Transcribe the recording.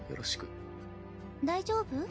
大丈夫？